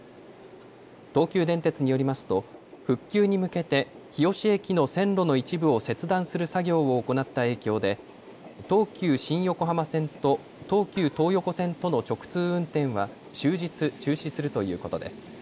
東急電鉄によりますと復旧に向けて日吉駅の線路の一部を切断する作業を行った影響で東急新横浜線と東急東横線との直通運転は終日中止するということです。